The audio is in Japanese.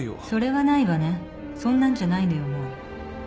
そんなんじゃないのよもう。